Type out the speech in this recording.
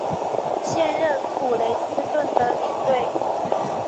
现任普雷斯顿的领队。